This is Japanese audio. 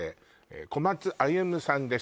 小松歩さんです